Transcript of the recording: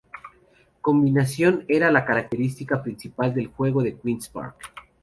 Combinación era la característica principal del juego de los Queen's Park.